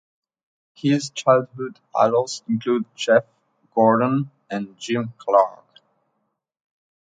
His childhood idols include Jeff Gordon and Jim Clark.